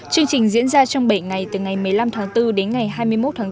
chương trình diễn ra trong bảy ngày từ ngày một mươi năm tháng bốn đến ngày hai mươi một tháng bốn